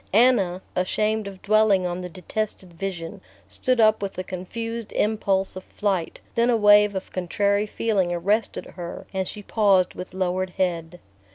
Anna, ashamed of dwelling on the detested vision, stood up with a confused impulse of flight; then a wave of contrary feeling arrested her and she paused with lowered head.